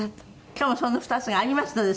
今日その２つがありますのでそこに。